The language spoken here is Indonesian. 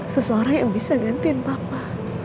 seseorang yang bisa gantiin papa